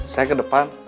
saya ke depan